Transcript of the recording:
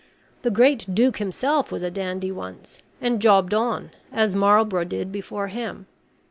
The great Duke himself was a dandy once, and jobbed on, as Marlborough did before him.